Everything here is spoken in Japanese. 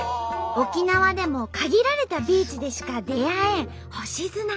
沖縄でも限られたビーチでしか出会えん星砂。